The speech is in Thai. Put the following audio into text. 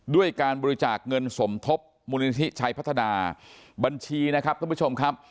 ด้วยการบริจาคเงินสมทบมูลนิธิชัยพัฒนาบัญชีนะครับท่านผู้ชมครับ